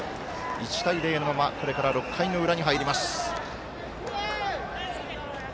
１対０のままこれから６回の裏に入ります。